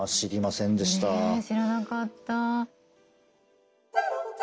ねえ知らなかった。